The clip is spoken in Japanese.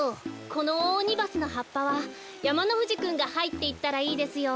このオオオニバスのはっぱはやまのふじくんがはいっていったらいいですよ。